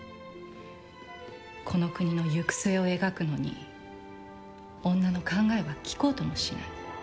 この国の行く末を描くのに女の考えは聞こうともしない。